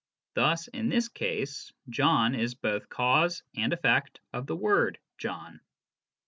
Thus, in this case, John is both cause and effect of the word " John."